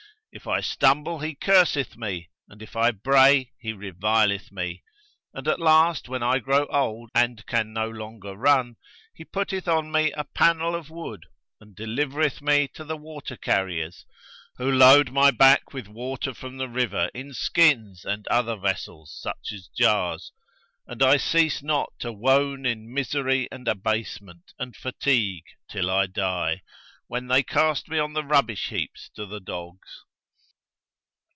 If I stumble he curseth me, and if I bray, he revileth me;[FN#134] and at last when I grow old and can no longer run, he putteth on me a panel[FN#135] of wood and delivereth me to the water carriers, who load my back with water from the river in skins and other vessels, such as jars, and I cease not to wone in misery and abasement and fatigue till I die, when they cast me on the rubbish heaps to the dogs.